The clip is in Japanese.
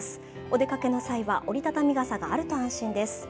お出掛けの際は折り畳み傘があると安心です。